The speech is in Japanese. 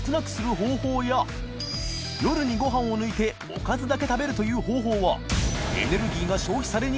ご飯を抜いておかずだけ食べるという方法は┘